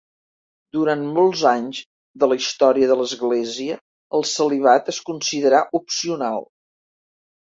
Durant molts anys de la història de l'Església, el celibat es considerà opcional.